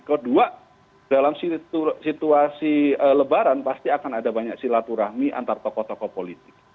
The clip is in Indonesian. kedua dalam situasi lebaran pasti akan ada banyak silaturahmi antar tokoh tokoh politik